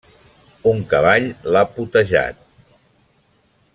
Un cavall l'ha potejat.